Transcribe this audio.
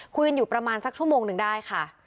คุยกันอยู่ประมาณสักชั่วโมงหนึ่งได้ค่ะ